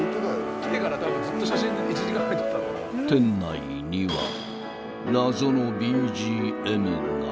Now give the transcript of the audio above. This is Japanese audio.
［店内には謎のＢＧＭが］